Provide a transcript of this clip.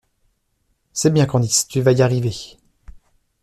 C’est bien, Candice, tu vas y arriver!